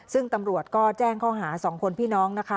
ซึ่งตำรวจก็แจ้งข้อหา๒คนพี่น้องนะคะ